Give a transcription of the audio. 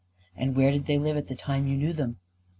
"And where did they live at the time you knew them?"